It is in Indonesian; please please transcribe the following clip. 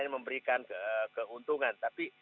memberikan keuntungan tapi